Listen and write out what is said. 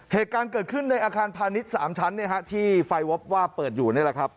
เหตุการณ์เกิดขึ้นในอาคารพาณิชย์๓ชั้นที่ไฟวอบว่าเปิดอยู่